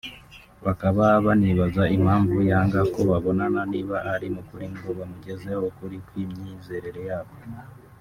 Bakaba banibaza impamvu yanga ko babonana niba ari mu kuri ngo bamugezeho ukuri kw’imyizerere yabo